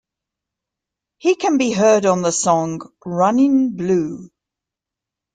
He can be heard on the song "Runnin' Blue".